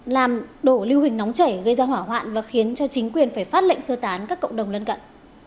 làm đổ lưu hình nóng chảy gây ra hỏa hoạn và khiến cho chính quyền phải phát lệnh sơ tán các cộng đồng lân cận